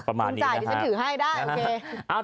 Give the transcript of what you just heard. ประมาณนี้นะฮะโอเคคุณจ่ายก็ฉันถือให้ได้